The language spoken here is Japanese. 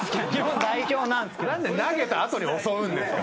藤田：なんで投げたあとに襲うんですか。